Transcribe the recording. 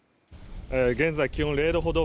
現在、気温０度ほど。